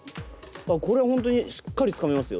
これ本当にしっかり掴めますよ。